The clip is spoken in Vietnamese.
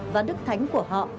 và đức thánh của họ